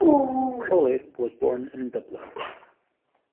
Croly was born in Dublin.